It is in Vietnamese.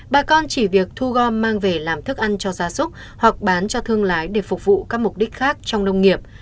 bà con chỉ việc thu gom mang về làm thức ăn cho gia súc hoặc bán cho thương lái để phục vụ các mục đích khác trong nông nghiệp